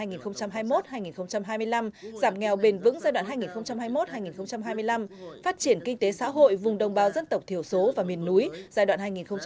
giảm nghèo bền vững giai đoạn hai nghìn hai mươi một hai nghìn hai mươi năm phát triển kinh tế xã hội vùng đồng bào dân tộc thiểu số và miền núi giai đoạn hai nghìn hai mươi một hai nghìn ba mươi